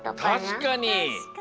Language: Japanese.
たしかに。